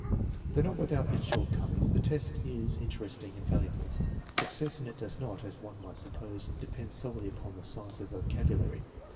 Though not without its shortcomings, the test is interest ing and valuable. Success in it does not, as one might sup pose, depend solely upon the size of the vocabulary.